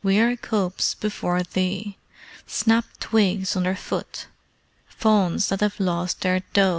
We are cubs before thee! Snapped twigs under foot! Fawns that have lost their doe!"